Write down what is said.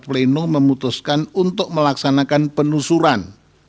rapat plenum memutuskan untuk melaksanakan penusuran